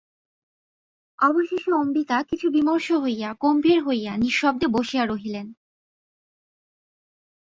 অবশেষে অম্বিকা কিছু বিমর্ষ হইয়া, গম্ভীর হইয়া, নিঃশব্দে বসিয়া রহিলেন।